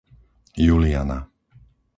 Juliana